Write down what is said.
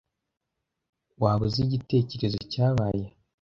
Waba uzi igitekerezo cyabaye?